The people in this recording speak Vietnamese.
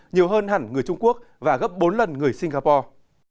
nhiều hơn hẳn người trung quốc và gấp bốn lần người singapore